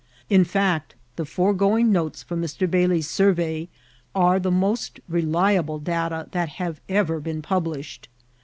In fact, the foregoing notes from Mr. Bailey's survey are the most reliable data that have ever been published.